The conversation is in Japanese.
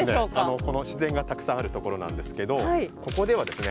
自然がたくさんあるところなんですけどここではですね